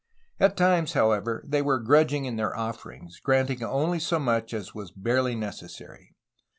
At times, however, they were grudging in their offerings, granting only so much as was barely necessary.